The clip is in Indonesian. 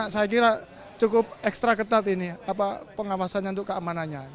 saya kira cukup ekstra ketat ini pengawasannya untuk keamanannya